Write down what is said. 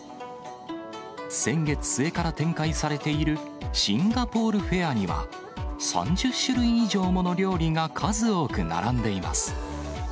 先月末から展開されているシンガポールフェアには、３０種類以上もの料理が数多く並んでいます。